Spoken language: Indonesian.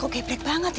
kok gebrek banget ya